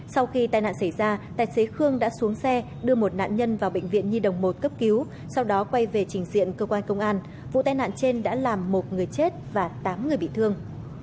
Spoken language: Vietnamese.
sau khi tai nạn xảy ra tài xế khương đã xuống xe đưa một nạn nhân vào bệnh viện nhi đồng một cấp cứu sau đó quay về trình diện cơ quan công an vụ tai nạn trên đã làm một người chết và tám người bị thương